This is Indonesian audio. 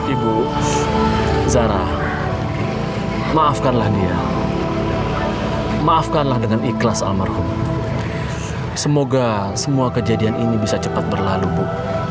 ibu zara maafkanlah dia maafkanlah dengan ikhlas almarhum semoga semua kejadian ini bisa cepat berlalu bu